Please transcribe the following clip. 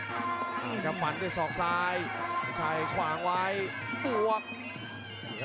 หวานที่สองซ้ายชัยขวางไว้ปวก